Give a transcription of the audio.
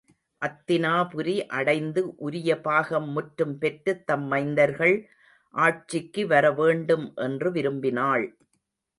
அத்தினாபுரி அடைந்து உரிய பாகம் முற்றும் பெற்றுத் தம் மைந்தர்கள் ஆட்சிக்கு வரவேண்டும் என்று விரும்பினாள்.